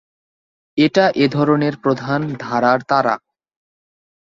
এটা এ-ধরনের প্রধান ধারার তারা।